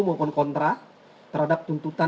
maupun kontra terhadap tuntutan